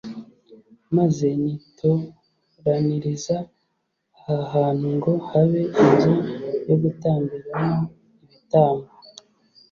maze nitoraniriza aha hantu ngo habe inzu yo gutambiramo ibitambo.